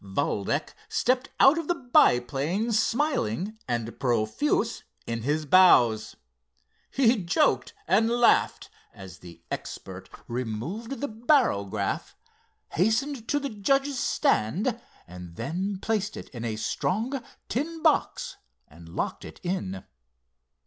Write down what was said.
Valdec stepped out of the biplane smiling and profuse in his bows. He joked and laughed as the expert removed the barograph, hastened to the judges' stand and then placed it in a strong tin box and locked it in.